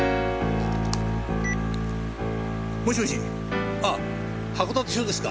もしもしああ函館署ですか？